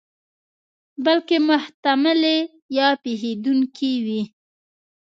بلکې محتملې یا پېښېدونکې وي.